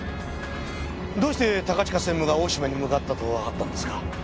どうして高近専務が大島に向かったとわかったんですか？